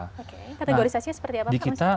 kategorisasi seperti apa pak